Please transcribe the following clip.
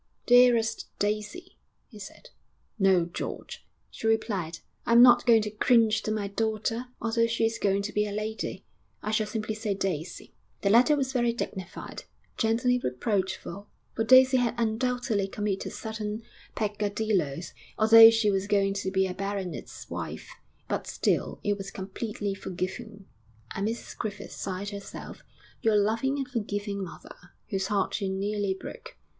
'Dearest Daisy!' he said. 'No, George,' she replied, 'I'm not going to cringe to my daughter, although she is going to be a lady; I shall simply say, "Daisy."' The letter was very dignified, gently reproachful, for Daisy had undoubtedly committed certain peccadilloes, although she was going to be a baronet's wife; but still it was completely forgiving, and Mrs Griffith signed herself, '_Your loving and forgiving mother, whose heart you nearly broke.